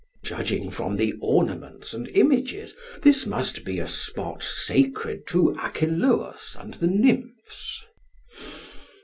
Judging from the ornaments and images, this must be a spot sacred to Achelous and the Nymphs.